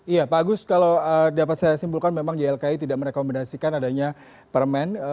iya pak agus kalau dapat saya simpulkan memang ylki tidak merekomendasikan adanya permen